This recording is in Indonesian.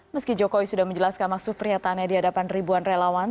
meski jokowi sudah menjelaskan maksud pernyataannya di hadapan ribuan relawan